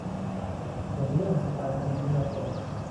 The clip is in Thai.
ส่วนเรื่องสไตล์อันนี้แล้วแต่